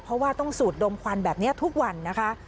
เพราะว่าต้องสูดดมควันแบบนี้ทุกวันนะคะ